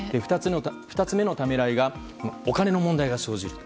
２つ目のためらいがお金の問題が生じる。